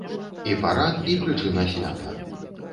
І парад, і прычына свята.